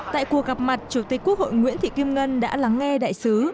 tại cuộc gặp mặt chủ tịch quốc hội nguyễn thị kim ngân đã lắng nghe đại sứ